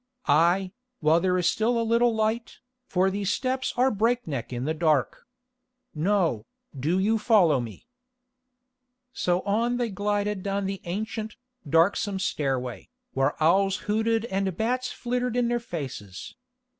"Aye, while there is still a little light, for these steps are breakneck in the dark. No, do you follow me." So on they glided down the ancient, darksome stairway, where owls hooted and bats flittered in their faces.